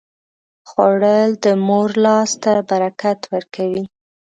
خوړل د مور لاس ته برکت ورکوي